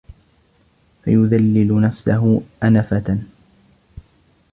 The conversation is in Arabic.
فَيُذَلِّلُ نَفْسَهُ أَنَفَةً